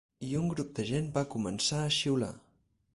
I un grup de gent va començar a xiular.